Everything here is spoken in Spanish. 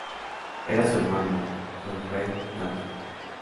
Era su hermano, Geoffrey Tate.